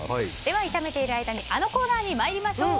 炒めている間にあのコーナーに参りましょう。